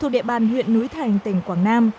địa bàn huyện núi thành tỉnh quảng nam